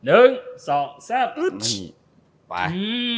อุ๊ย